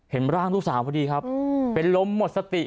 เห็นร่างลูกสาวพอดีครับเป็นลมหมดสติ